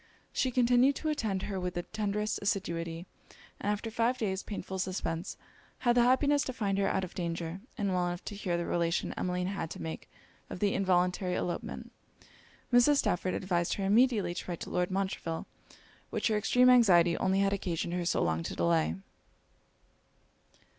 She continued to attend her with the tenderest assiduity; and after five days painful suspence, had the happiness to find her out of danger, and well enough to hear the relation Emmeline had to make of the involuntary elopement. Mrs. Stafford advised her immediately to write to Lord Montreville; which her extreme anxiety only had occasioned her so long to delay.